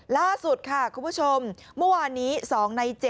ล่าสุดค่ะคุณผู้ชมเมื่อวานนี้๒ใน๗